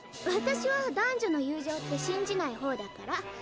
私は男女の友情って信じないほうだから。